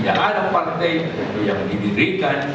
termasuk pakai saya golkar